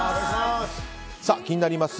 気になります